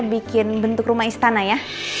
bikin bentuk rumah istana ya